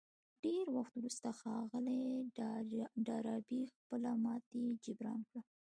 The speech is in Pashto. ډېر وخت وروسته ښاغلي ډاربي خپله ماتې جبران کړه.